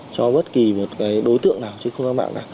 cho bất kỳ một đối tượng